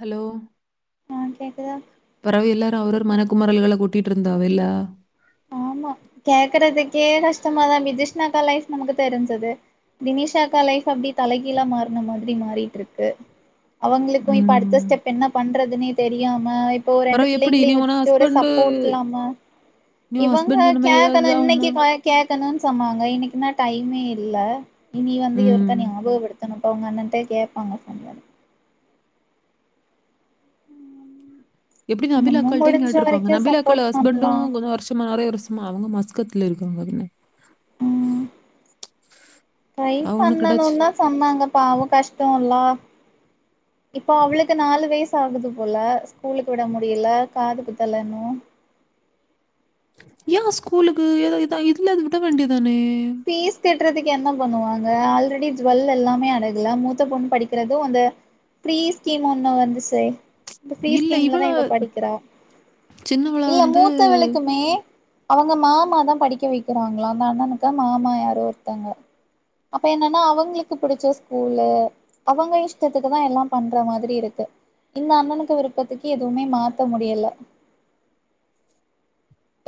Hello அ கேக்குதா பெறவு எல்லாரு அவரவர் மனக்குமறல்கள கொட்டிட்டு இருந்தாவெல்லா ஆமா கேக்குறதுக்கே கஷ்டமாதா மிதிஷ்னாக்கா லைஃப் நமக்கு தெருஞ்சது தினிஷாக்கா லைஃப் அப்டி தலைகீழா மாற்ன மாதிரி மாறிட்ருக்கு அவுங்களுக்கோ இப்ப அடுத்த ம். ஸ்டெப் என்ன பண்றதுனே தெரியாம இப் போ பரவ ரெண்டு எப்படி? பிள்ளைங்களையு நீ உன வச்சுட்டு ஒரு ஹஸ்பண்ட் சப்போட்டில்லாம நீ உன் இவங்க ஹஸ்பண்ட் சொன்ன மாரி ஏதாவது கேக்கணு இதாகுமா? இன்னைக்கி காய் கேக்கனோனு சொன்னாங்க இன்னைக்குன்னா டைமே இல்ல இனி வந்து இவருக்க ம். ஞாபகப்படுத் தனு இப்ப அவுங்க அண்ணட்டே கேப்பாங்க [inaudible] எப்டி நம்ம நபிலாக்காளிட்டயு முடிஞ்ச கேட்டிருப்பாங்க வரைக்கு நபிலாக்கா சப்போர்ட் ஓலே ஹஸ்பண்டு பண்லா கொஞ்சோ வருஷமா நெறைய [unintelligible] ஆமா அவுங்களு மஸ்கத்துல இருக்கபோதுங்க ம் ட்ரை அவ ஒண்ணு கிடைச்சு பண்ணணோன் தா சொன்னாங்க பாவோ கஷ்டோல்ல இப்போ அவுளுக்கு நாலு வய்சு ஆகுது போல ஸ்கூலுக்கு விட முடியில காது குத்தல இன்னோ ஏ ஸ்கூலுக்கு ஏதா இதா இதுலயாது விட வேண்டியதானே ஃபீஸ் கட்டுறதுக்கு என்ன பண்ணுவாங்க ஆல்ரெடி ஜுவெல் எல்லாமே அடகுல மூத்த பொண்ணு படிக்கிறது அந்த ஃப்ரீ ஸ்கீம் ஒன்னு வந்துச்சே இந்த ஃப்ரீ இல்ல இவள ஸ்கீம்லதா இவ படிக்கிறா சின்னவள இல்ல வந்து மூத்த வளுக்குமே அவுங்க மாமா தா படிக்க வைக்கிறாங்களா அந்த அண்ணானுக்க மாமா யாரோ ஒருத்தங்க அப்ப என்னன்னா அவுங்களுக்கு பிடிச்ச ஸ்கூல்லு அவுங்க இஷ்டத்துக்குதா எல்லா பண்ற மாதிரி இருக்கு இந்த அண்ணனுக்கு விருப்பத்துக்கு எதுவுமே மாத்த முடியல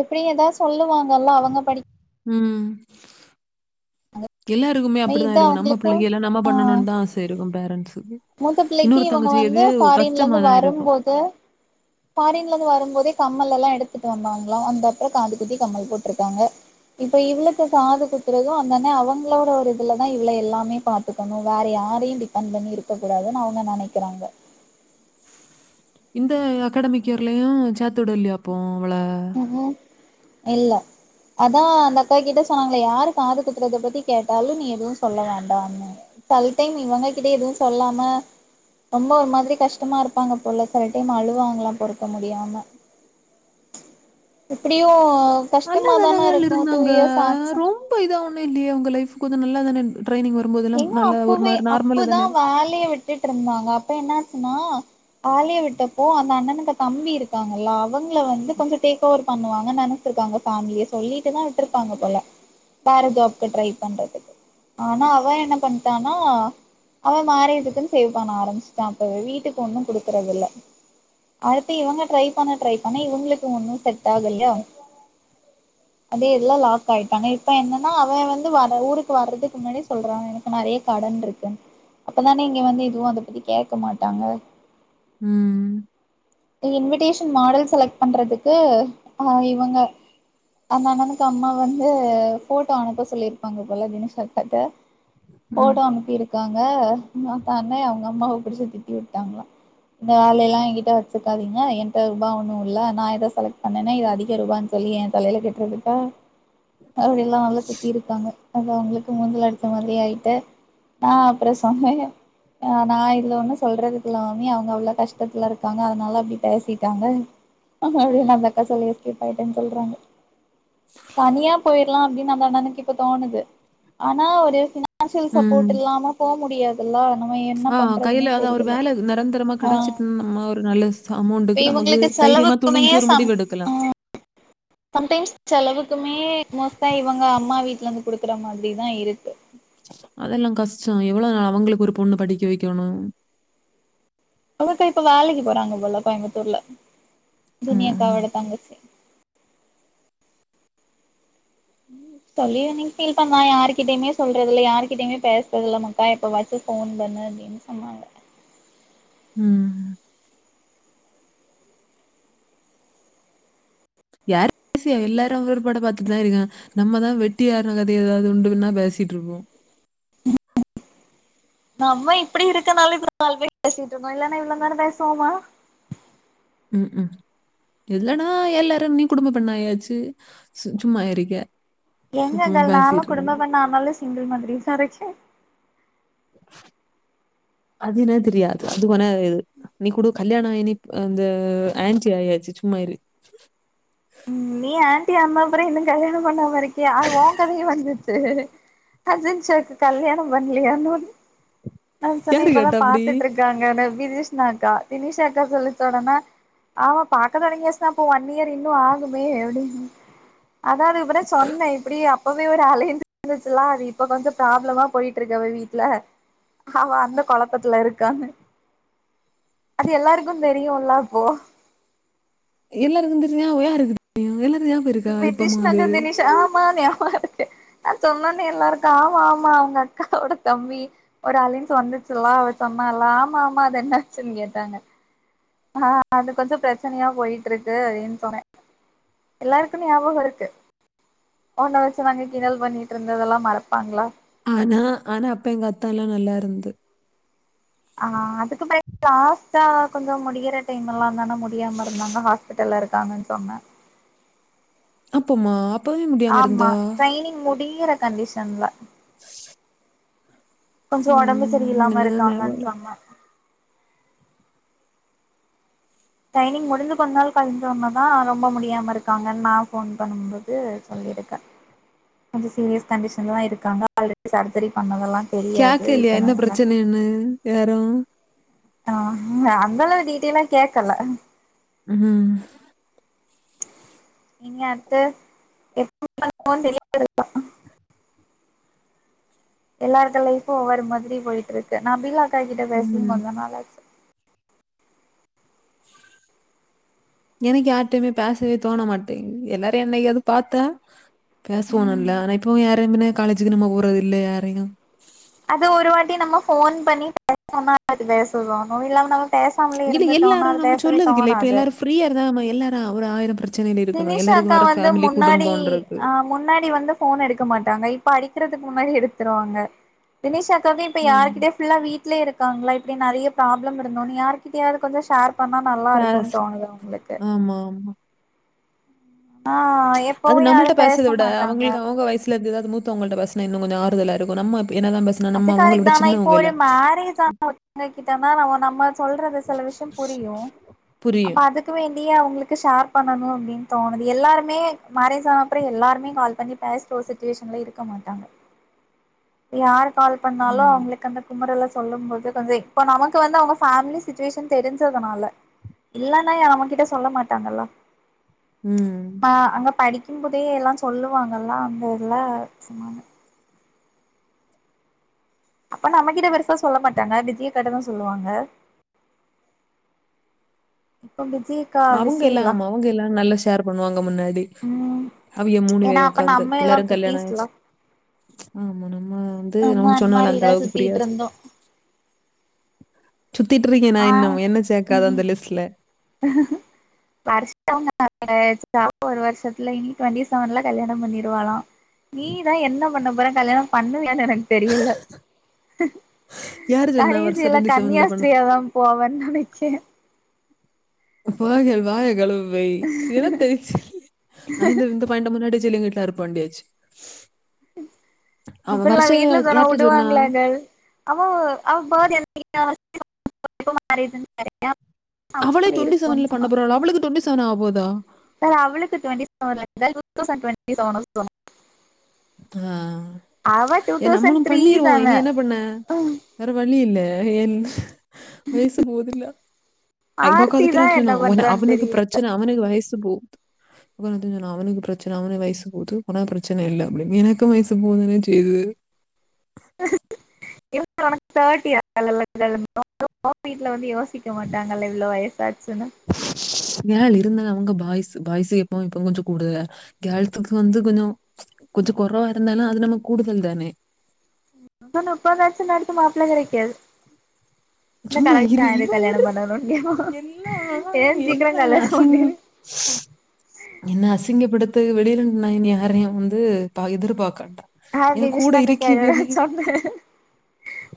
எப்டி ஏதாவு சொல்லுவாங்கல்லா அவுங்க படிக் ம் எல்லாருக்குமே அப்டிதா இது இருக்கு நம்ம அவங்களுக்கு பிள்ளைக்கு எல்லா நம்ம பண்ணுனு தா ஆச இருக்கு பேரண்ட்ஸ்க்கு மூத்த பிள்ளைக்கு இன்னொருத்தங்க இவங்க செய்யது வந்து ஃபாரின்ல கஷ்டமா இருந்து தா இருக்கு வரும்போது ஃபாரின்ல இருந்து வருபோதே கம்மல் எலலா எடுத்துட்டு வந்தாங்களா அந்த அப்பறோ காது குத்தி கம்மல் போட்டிருக்காங்க இப்ப இவ்ளுக்கு காது குத்துறதோ அந்தானே அவுங்களோட ஒரு இதுலதா இவ்ள எல்லாமே பாத் துக்கணு வேற யாரையு டிபெண்ட் பண்ணி இருக்கக் கூடாதுன்னு அவுங்க நெனைக்கிறாங்க இந்த அகாடமிக் இயர்லயு சேத்துவுடலியாப்போ அவ்ள [unintelligible] இல்ல அதா அந்த அக்கா கிட்ட சொன்னாங்களே யாரு காது குத்துறத பத்தி கேட்டாலு நீ எதுவு சொல்ல வேண்டாம்னு செல் டைம் இவுங்க கிட்ட எதுவு சொல்லாம ரொம்ப ஒரு மாதிரி கஷ்டமா இருப்பாங்க போல செல டைம் அழுவாங்கலா பொருக்க முடியாம இப்டியு நல்ல கஷ்டமா தான தானங்கள் இருக்கு டூ இருந்தாங்க இயர்ஸ் ஆச்சுன்னா ரொம்ப இதா ஒண்ணு இல்லையே அவுங்க லைஃப் கொஞ்சோ நல்லா தானே ட்ரைனிங் வருபோதேல்லா நல்ல ஒரு மாரு நார்மதானே ஆலைய விட் டுட்டு இருந்தாங்க அப்ப என்னாச்சுன்னா ஆலிய விட்டப்போ அந்த அண்ணனுக்கு தம்பி இருக்காங்கல்ல அவுங்கள வந்து கொஞ்சோ டேக் ஓவர் பண்ணுவாங்க நென ச்சிருக்காங்க ஃபேமிலிய சொல்லிட்டுதா விட்டுருப்பாங்க போல வேற ஜாப்க் ட்ரை பண்றதுக்கு ஆனா அவ என்ன பண்ட்டானா அவ மேரேஜுக்குன்னு சேவ் பண்ண ஆரம்பிச்சிட்டா அப்பவே வீட்டுக்கு ஒண்ணு குடுக்குறது இல்ல அடுத்து இவங்க ட்ரை பண்ண ட்ரை பண்ண இவங்களுக்கு ஒன்னு செட் ஆகல்லயா அதே எல்லா லாக் ஆய்ட்டாங்க இப்ப என்னன்னா அவ வந்து வர ஊருக்கு வர்றதுக்கு முன்னாடி சொல்றா எனக்கு நெறைய கடன் இருக்கு அப்பதானே இங்க வந்து இதுவு அத பத்தி கேக்க மாட்டாங்க ம் இன்விடேஷன் மாடல் செலக்ட் பண்றதுக்கு ஆ இவங்க அந்த அண்ணனுக்கு அம்மா வந்து போஃட்டோ அனுப்ப சொல்லியிருப்பாங்க போல [unintelligible] அக்காட்ட ம் போடா அனுப்பிரு க்காங்க அந்த அண்ணியு அவுங்க அம்மாவ புடிச்சி திட்டி விட்டாங்ளா இந்த வேலைலா எங்கிட்ட வெச்சுக்காதீங்க என்ட்ட ருபா ஒன்னு இல்ல நா எத செலக்ட் பண்ணேனா இது அதிக ருபான் சொல்லி எ தலையில கட்றதுக்கா அப்டில்லா நல்லா திட்டி இருக்காங்க அது அவுங்களுக்கு மூஞ்சில அடிச்ச மாதிரி ஆயிட்டு நா அப்புறோ சொன்னே ஆ நா இதுல ஒன்னு சொல்றதுக்கிலல் மாமி அவுங்க அவ்ள கஷ்டத்துல இருக்காங்க அத் னால அப்டி பேசிட்டாங்க அப்டின் அந்த அக்கா சொல்லி எஸ்கேப் ஆய்ட்டேன் சொல்றாங்க தனியா போயிற்லா அப்டின் அந்த அண்ணனுக் இப்ப தோணுது ஆனா ஒரு ஃபின் னான்சியல் ம். சப்போட் இல்லாம போ முடியாது எல்லா நம்ம என்ன ஆ பண்றதுனே கையில அதான் ஒரு தெரியல வேலை நிரந்தரமா ஆ கிடைச்சிட்டு நம்ம ஒரு நல்ல ச அமௌண் இவங்களுக்கு செலவுக்குமே சம் ஆ எடுக்கலாம் சம்டைம்ஸ் செலவுக்குமே மோஸ்ட்டா இவங்க அம்மா வீட்லந்து குடுக்குற மாதிரி தா இருக்கு அதெல்லா கஷ்டோ எவ்வளவு நாற் அவங்களுக்கு ஒரு பொண்ணு படிக்க வைக்கணு அந்தக்கா இப்ப வேலைக்கு போறாங்க போல கோயம்புத்தூர்ல ம் ஜெனி அக்காவோட தங்கச்சி ம் சொல்லி இன்னிக்கி ஃபீல் பண்ணா யாரு கிட்டயுமே சொல்றதுல யாருகிட்டயுமே பேசறதில்ல மக்கா எப்பவாச்சு ஃபோன் பண்ணு அப்டின் ன் சொன்னாங்க ம் யார் பிசியா எல்லாரு அவுரு பட பாத்துட்தா இருக்கா நம்மதா வெட்டியான கத எதாவ்து உண்டுகின்னா பேசிட்ருப்போ நம்ம இப்படி இருக்கனால [unintelligible] பேசிட்ருந்தோ இல்லனா இவ்ளோ நேர பேசுவோமா ம் ம் இல்லன்னா எல்லாரு நீ குடும்ப பொண் ஆயாச்சு சு சும்மா இரிக்க எங்கங் [unintelligible] நாலா குடும்ப பெண் ஆனாலு சிங்கிள் மாதிரிதா இருக்கே அது என்ன தெரியாது அது கொணோ இது நீ கூடோ கல்யாண ஆயி நி அ பத்து ஆண்டி ஆயாச்சு சும்மா இரூ நீ ஆண்டி ஆன அப்புற இன்னு கல்யாணம் பண்ணாம இருக்கியே அது ஊங் கதயு வந்துச் கசின்ஷாக்கு கல்யாணம் பண்லியானு நா சொன்னே யாரு இப்பதா கேட்டா அப்படி பாத்துட்ருக்காங்கனு விதிஷ்னாக்கா வினிஷாக்கா சொல்லிச் ஒடனே ஆமா பாக்க தொடங்கியாச்சுனா இப்ப ஒன் இயர் இன் னு ஆகுமே எப்டின் அதா அதுக்கிப்பதா சொன்னே இப்பிடி அப்பவே ஒரு அலைன்ஸ் வந்துச்சுலா அது இப்ப கொஞ்ச ப்ராப்ளமா போயிட்ருக்கு அவ வீட்ல அவ அந்த கொழப்பத்துல இருக்கானு அது எல்லாருக்கும் தெரியுல்ல அப்போ எல்லாருக்குந் தெரியுனா வேற யாருக்கு தெரியு எல்லாரு [unintelligible] விதிஷ்னாக்க தினிஷ் ஆமா [unintelligible] நா சொன்னனே எல்லாருக்கு ஆமா ஆமா அவுங்க அக்காவோட தம்பி ஒரு அலைன்ஸ் வந்துச்சில அவ சொன்னாலா ஆமா ஆமா அது என்ன ஆச்சுன் கேட்டாங்க [unintelligible] அது கொஞ்சோ ப்ரெச்சனையா போயிட்ருக்கு அப்டின் சொன்னே எல்லாருக்கு ஞாபகோ இருக்கு உன்ன வெச்சு நாங்க கிண்டல் பண்ணிட்ருந்ததெல்லா மறப்பாங்ளா ஆனா ஆனா அப்ப எங்க அத்த எல்லா நல்லா இருந்து ஆ அதுக்கு பயந்து லாஸ்டா கொஞ்சோ முடியிற டைம் எல்லா தானே முடியாம இருந்தாங்க ஹாஸ்பிட்டல்ல இருக்காங்கன்னு சொன்னே அப்போமா ஆமா ட்ரைனிங் முடியிற கண்டிஷன்ல கொஞ்ச ஒடம்பு உம் சரியில்லாம என்னதான் ஞாபகம் இருக்காங்கன்னு இல்ல சொன்னா ட்ரைனிங் முடிஞ்சு கொஞ்ச நாள் கழி்சொன்னே தா ரொம்ப முடியாம இருக்காங்கன் நா ஃபோன் பண்ணும்போ து சொல்லி இருக்க கொஞ்ச சீரியஸ் கண்டிஷன்லதா இருக்காங்க ஆல்ரெடி சர்ஜெரி பண்ணதெல்லா தெரியாது கேக்கலயா இப்பதா என்ன எல்லா பிரச்சனைன்னு யாரு ஆ அந்த அளவு டீட்டியலா கேக்கல ம் நீங்க அடுத்து எப்ப பண்ணோன் தெரியாது எல்லாருக்கு லைஃபு ஒவ்வொரு மாதிரி போயிட்டு இருக்கு நபீலா அக்காகிட்ட பேசியு உம் கொஞ்ச நாள் ஆச்சு எனக்கு யார்ட்டையுமே பேசவே தோண மாட்டேங் எல்லாரு என்னைக்காது பாத்தா பேசுவானல்ல ம் ஆனா இப்போ யாரு எங்கனு காலேஜக்கு நம்ம போற இல்ல யாரையு அது ஒரு வாட்டி நம்ம ஃபோன் பண்ணி பே சொன்னா [unintelligible] இல்லாம நம்ம பேச சாமலே இல்ல இருந்துட்டோனா எல்லாரும் அது நம்ம பேசவே சொல்லதுக்கு இல்ல. இப்ப தோனாது எல்லாரும் ஃப்ரீயா இருந்தா நம்ம எல்லாரு ஒரு ஆயிர பிரச்சனையில இருக்கணு தினிஷா எல்லாருக்கு அக்கா வேற வந்து ஃபேமிலி முன்னாடி குடும்பன்ருக்கு ஆ முன்னாடி வந்து ஃபோன் எடுக்க மாட்டாங்க இப்ப அடிக்கிறதுக்கு முன்னாடி எடுத்துருவாங்க வினுசா அக்கவு இப்ப யாரு ம். கிட்டயு இப்பில்லா வீட்லே இருக்காங்களா இப்டி நெறைய ப்ராபளம் இருந்துனு யாரு கிட்டயாது கொஞ்ச ஷேர் பண்ணா நல்லா இருக்குன் பேசு தோணுது அவுங்களுக்கு ஆமா ஆமா ஆ எ அது நம்மள்ட பேசறத விட அவுங்களுக்கு அவுங்க வயசு இல்ல அது எதாது மூத்தவுங்கள்ட பேச்னா இன்னு கொஞ்ச ஆறுதலா இருக்கு நம்ம அப் என்னதா நம்ம பஸ் அது கரக்ட் தா ஆனா இப்போ ஒரு மேரேஜ் ஆன உங்ககிட்டனா நம்ம நம்ம சொல்றது சில விஷய புரியு புரியு அப்ப அதுக்கு வேண்டியே அவுங்களுக்கு ஷேர் பண்ணணு அப்டின் தோணுது எல்லாருமே மேரேஜான அப்ற எல்லாருமே கால் பண்ணி பேச் ற ஒ சடுவேஷன்ல இருக்க மாட்டாங்க யாரு கால் பண்ணாலு ம். அவுங்களுக்கு அந்த குமரல சொல்லும் போது கொஞ்ச இப்போ நமக்கு வந்து அவுங்க ஃபேமிலி சிச்சுவேஷன் தெரிஞ்சதுனால இல்லன்னா ய நம்மகிட்ட சொல்ல மாட்டாங்கல்ல ம் ஆ அங்க படிக்கும் போதே எல்லா சொல்லுவாங்கல்ல அந்த இல சொன்னாங்க அப்ப நம்மகிட்ட பெருசா சொல்ல மாட்டாங்க விஜியக்காட்ட தா சொல்லுவாங்க இப்போ விஜி அவுங்க எல்லா ஆமா அவுங்க எல்லா நல்லா ஷேர் பண்ணுவாங்க முன்னாடி ம் அவிங்க மூணு ஏன்னா பேரு அப்ப உக்காந்து நம்ம எல்லா எல்லாரு கல்யாண குட்டீஸ்ல ஆயிச்சு ஆமா நம்ம வந்து ஆமா நமக்கு சொன்னால அந்த மாரில்லா அளவுக்கு சுத்திட்டு புரியாது இருந்தோ சுத்திட்டுருக்கே நா ஆ இன்னு என்ன சேக்காத அந்த ம் லிஸ்ட்ல படிச்சவங்க [inaudible] ஒரு வருஷத்துல இனி டுவெண்டி செவன்ல கல்யாண பண்ணிருவாளா நீதா என்ன பண்ண போற கல்யாண பண்ணுவியானு எனக்கு தெரில யாரு சொன்னா வருஷம் கடைசியில டுவெண்ட்டி செவன்ல பண்ணும் கன்னியாஸ்திரீயா தா போவன்னு நெனைக்கே வாய்கழுவு வாயகழுவு [inaudible] அவன் வருஷ இப்பில்லாம் வீட்ல சொன்னா யார்கிட்ட உடுவாங்களாங்கள் அவோ அவ பர்டே அன்னிக்கி [unintelligible] [unintelligible] அவளே டுவென்டி செவன்ல பண்ண சொன்னா போறாளா அவளுக்கு டுவெண்டி செவன் ஆகபோதா சார் அவளுக்கு டுவென்ட்டி செவென் இல்ல டூ தௌசென்ட் டுவென்ட்டி செவென் ஆ அவ டூ ஏ நம்மளு தௌசண்ட் த்ரீ பண்ணிருவோ தான இனி என்ன பண்ண வேற வழி இல்ல என் வயசு போதுல்ல [unintelligible] ஆர்த்தி தா என்ன பிரச்சன பண்றான்னு தெரியல அவனுக்கு வயசு போது அவனுக்கு பிரச்சன அவனு வயசு போது உனகு பிரச்சன இல்ல எனக்கு வயசு போகதான செய்து [unintelligible] யோசிக்க மாட்டாங்ல்ல இவ்ளோ வயசாசுன்னு ஏ இருந்த அவுங்க பாய்ஸ் பாய்ஸ் எப்போ இப்ப கொஞ்ச கூட கேள்ஸ்க்கு வந்து கொஞ்ச கொஞ்ச கொறவா இருந்தாலு அது நம்ம கூடுதல் தானே இன்னு முப்பது வருச கழிச்சு மாப்ள கெடைக்காது சும்மா இரு இந்த இவன் ஒரு கல்யாணம் பண்ணணு எல்லாம் ஏ சீக்கிர எல்லாம் என்ன கல்யாணம் பண்ணு அசிங்க என்ன அசிங்கப்படுத்தகு வெளில நா யாரையு வந்து எதிர்பாக்கண்டா [unintelligible]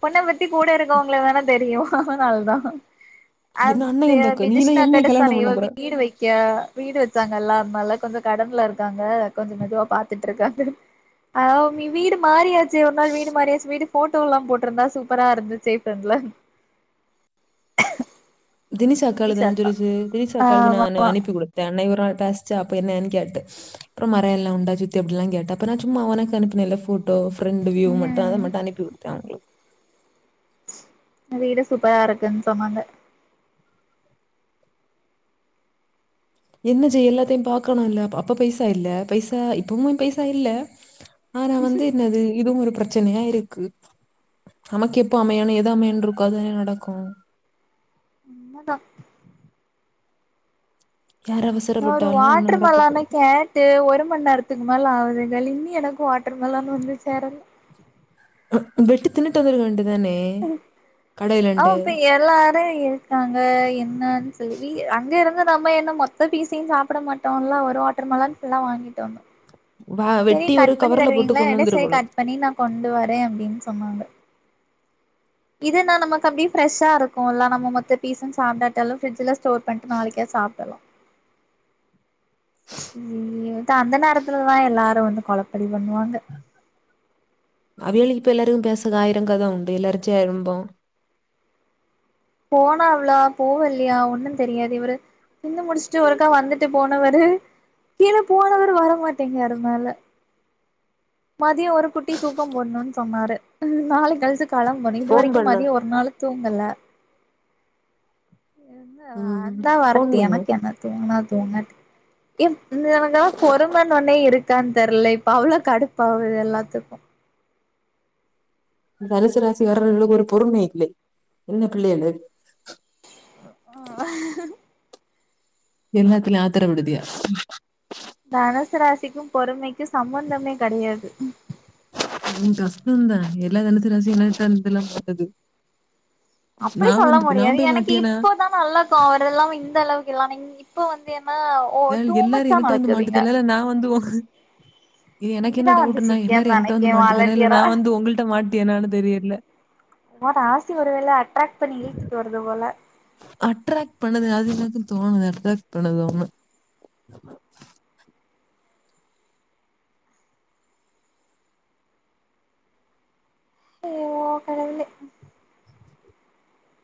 ஒண்ண பத்தி கூட இருக்கவங்களுக்கு தானே தெரியு அதனால தா என்ன [unintelligible] அண்ணன் அந்த அக்கா நீல என்ன கல்யாணம் பண்ண போற வீடு வித்தாங்கள அம்மா எல்லா அதுனால கொஞ்ச கடன்ல இருக்காங்க கொஞ்ச மெதுவா பாத்துட்டு இருக்காங்க ஆ வீடு மாரியாச்சு ஒரு நாள் வீடு மாரியாச்சு வீடு போட்டோ வீடு எல்லா போட்டிருந்தா சூப்பரா இருந்துச்சு [unintelligible] தினிசா தினிஷ் கேளுங்க அக்கா சொல்லுச்சு தினிசா கேளுங்க நா ஆமா அனுப்பி குடுத்தே அண்னி ஒரு நாள் பேச்சு அப்ப என்னன்னு கேட்ட அப்றோ மொற எல்லா உண்டா சித்தி அப்டில்லா கேட்ட அப்ப சும்மா உனக்கு அனுப்புனேன்ல போ போட்டோ பிரெண்ட்வியூ மட்டு அத ம் மட்டு அனுப்பி [unintelligible] வீடு சூப்பரா இருக்குன்னு சொன்னாங்க என்ன செய்ய எல்லாத்தையு பாக்கணும்ல்ல அப்ப பைசா இல்ல பைசா இப்பவு பைசா இல்ல ஆனா வந்து என்னது இதுவு ஒரு பிரச் சனையா இருக்கு நமக்கு எப்போ அமையனு எது அமையுனு இருக்கோ அதானே நடக்கு [unintelligible] யார் ஒரு அவசரப்பட்டாலும் ஒண்ணும் வாட்டர் நடக்க மேலன் போகுது கே டு ஒரு மணி நேரத்துக்கு மேல ஆகுது இன்னு எனக்கு வாட்டர் மொலன்னு வந்து சேர வெட்டி தின்னுட்டு வந்திருக்க வேண்டிதானே ஆம் பியர் எல்லாரு இருக்காங்க என்னன்னு சொல்லி அங்க இருந்து நம்ம என்ன மொத்த பீசயு சாப்பிட மாட் டோன்ல ஒரு வாட்டர் மெலன் ஃபுல்லா வாங்கிட்டோ வா செரி வெட்டி ஒரு கட் பண்ணி கவர்ல போட்டு தருவீங்களா கொண்டு [unintelligible] செரி வந்துருக்கணும் கட் பண்ணி நா கொண்டு வரே அப்டின்னு சொன்னாங்க இதுனா நமக்கு அப்டியே ப்ரெஷ்ஷா இருக்குல்ல நம்ம மொத்த பீசு சாப்டாட்டாலு ஃப்ரிஜ்ல ஸ்டோர் பண்ணிட்டு நாளிக்கா சாப்பிட்லா சேரி அந்த நேரத்துலதா எல்லாரு வந்து கொலப்படி பண்ணுவாங்க அவியல்க்கு இப்ப எல்லாருக்கு பேச ஆயிர கத உண்டு எல்லாரரு சேர உண்டோ போனாவளா போவ இல்லயா ஒன்னு தெரியாது இவரு தின்னு முடிச்சுட்டு ஒருக்கா வந்துட்டு போனவர்ரு கீழ போனவரு வரமாட்டேங்ராரு மேல மதியோம் ஒரு குட்டி தூக்கோம் போட்ணோன்னு சொன்னாரு நாலு கழிச்சு காலம் போனி இது ஃபோன் வரைக்கும் பண்ணு மதியம் ஒரு நாளு தூங்கல அது தான் ம் அதான் ஃபோன் வரட்டும் பண்ணு எனக்கு என்னது தூங்குனா தூங்க எம் என்னக்குல்லாம் பொறும ஒன்னே இருக்கான்னு தெர்ல இப்ப அவ்ளோ கடுப் பா ஆவுது எல்லாத்துக்கும் இந்த தனுசுராசி வரறளுக்கு ஒரு பொறுமை இல்லே என்ன பிள்ளைளு ஆ எல்லாத்திலு ஆத்தர விடுதியா தனுசராசிக்கும் பொறுமைக்கும் சம்மந்தமே கடயாது கொஞ்சோம் கஷ்டம் தான் எல்லா தனுசு ராசி என்னத்த இதெல்லாம் பட்டது அப்படி சொல்ல முடியாது நான் போய் எனக்கு மாட்டியேனா, இப்போ [inaudible] இந்த அளவுக்கு எல்லாம் நீ இப்ப வந்து என்னா ஏ எல்லாரும் என்ட வந்து மாட்டதுல நான் வந்து ஏ எனக்கு என்ன நீதா வந்து டவுட்டுன்னா எல்லாரும் சிக்கியன்னு என்கிட்ட வந்து நெனைக்கே மாட்டதுல்ல வாலண்டியரா நான் வந்து உங்கள்கிட்ட மாட்டியேலான்னு தெரியல ஒ ராசி ஒரு வேள அட்ராக்ட் பண்ணி இழுத்துட்டு வருது போல அட்ராக்ட் பண்ணது அது எ எனக்கு தோணுது அட்ராக்ட் பண்ணது ஆமா சோ கடவுளே